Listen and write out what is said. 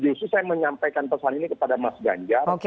justru saya menyampaikan pesan ini kepada mas ganjar